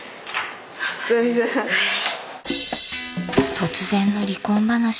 突然の離婚話。